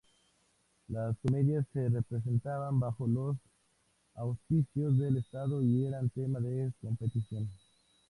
Las comedias se representaban bajo los auspicios del estado y eran tema de competición.